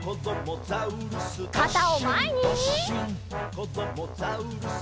「こどもザウルス